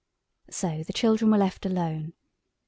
So the children were left alone.